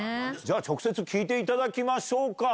直接聞いていただきましょうか！